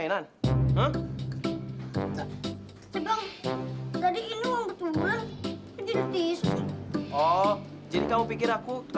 ya bang harus samarain mereka